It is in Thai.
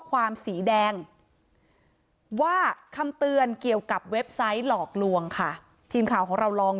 ความสีแดงว่าคำเตือนเกี่ยวกับเว็บไซต์หลอกลวงค่ะทีมข่าวของเราลอง